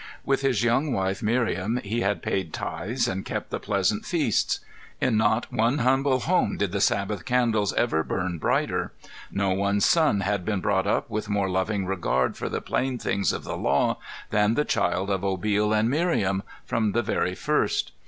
With his young wife Miriam he had paid tithes and kept the pleasant feasts. In not one humble home did the Sabbath candles ever burn brighter. No one's son had been brought up with more loving regard for the plain things of the law than the child of Obil and Miriam, from the very first.